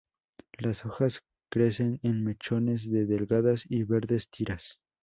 Las hojas crecen en mechones de delgadas y verdes tiras.